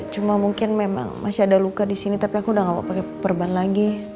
cuma mungkin memang masih ada luka di sini tapi aku udah gak pakai perban lagi